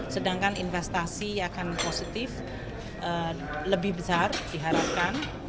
sedangkan investasi akan positif lebih besar diharapkan